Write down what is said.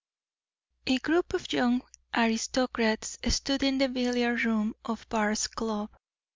A group of young aristocrats stood in the billiard room of Bar's Club.